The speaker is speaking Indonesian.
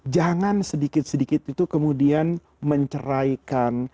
jangan sedikit sedikit itu kemudian menceraikan